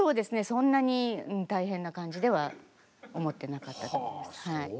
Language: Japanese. そんなに大変な感じでは思ってなかったと思います。